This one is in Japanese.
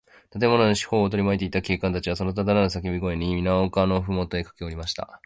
建物の四ほうをとりまいていた警官隊は、そのただならぬさけび声に、みな丘のふもとへかけおりました。